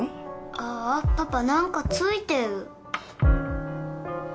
ああパパ何かついてる。